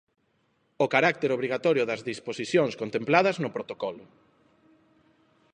O carácter obrigatorio das disposicións contempladas no protocolo.